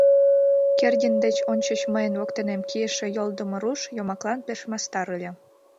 Кердин деч ончыч мыйын воктенем кийыше йолдымо руш йомаклан пеш мастар ыле.